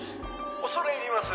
恐れ入ります。